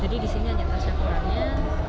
jadi di sini hanya tasyakurannya